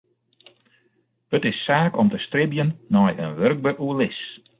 It is saak om te stribjen nei in wurkber oerlis.